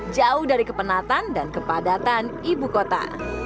jauh dari kepenatan dan kepadatan ibu kota